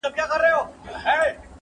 ور سره سم ستا غمونه نا بللي مېلمانه سي,